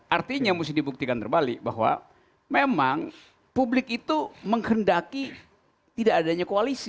artinya mesti dibuktikan terbalik bahwa memang publik itu menghendaki tidak adanya koalisi